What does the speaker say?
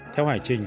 theo hải trình